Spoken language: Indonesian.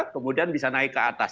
kemudian bisa naik ke atas